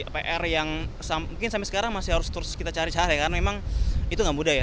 pr yang mungkin sampai sekarang masih harus terus kita cari cari karena memang itu nggak mudah ya